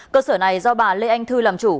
cơ sở này do bà lê anh thư làm chủ